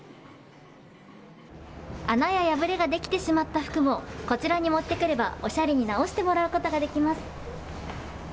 穴や破れができてしまった服もこちらに持ってくればおしゃれに直してもらうことができます。